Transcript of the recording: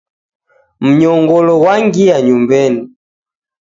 Mnyongolo ghwangia nyumbeni.